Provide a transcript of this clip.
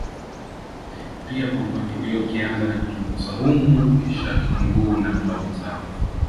Tia kwa mpangilio ukianza na vitunguu saumu kisha kitunguu na pilau masala